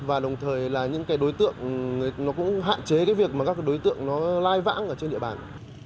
và đồng thời là những đối tượng cũng hạn chế việc các đối tượng lai vãng trên địa bàn